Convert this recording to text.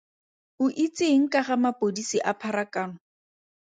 O itse eng ka ga mapodisi a pharakano?